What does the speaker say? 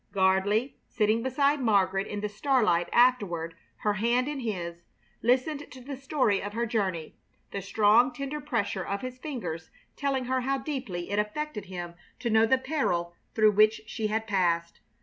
Gardley, sitting beside Margaret in the starlight afterward, her hand in his, listened to the story of her journey, the strong, tender pressure of his fingers telling her how deeply it affected him to know the peril through which she had passed.